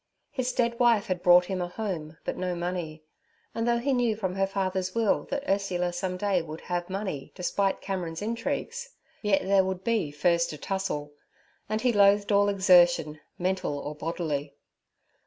His dead wife had brought him a home but no money, and though he knew from her father's will that Ursula some day would have money despite Cameron's intrigues, yet there would be first a tussle; and he loathed all exertion, mental or bodily.